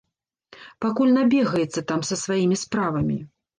Пакуль набегаецца там са сваімі справамі.